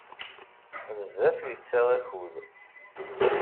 Bezzef yettaɣ akud.